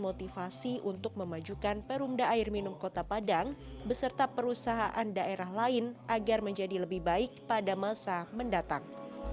motivasi untuk memajukan perumda air minum kota padang beserta perusahaan daerah lain agar menjadi lebih baik pada masa mendatang